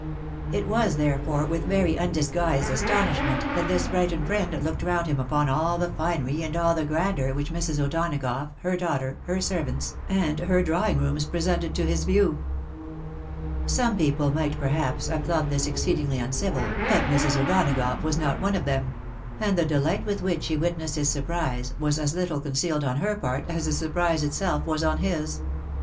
It was, therefore, with very undis guised astonishment, that this Brighton friend looked round him upon all the finery and all the grandeur which Mrs. O'Dona gough, her daughter, her servants, and her drawing rooms presented to his view. Some people might perhaps have thought this exceedingly uncivil, but Mrs. O'Donagough was not one of them ; and the delight with which she witnessed his surprise, was as httle con cealed on her part, as the surprise itself was on his.